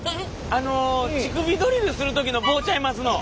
あの乳首ドリルする時の棒ちゃいますの？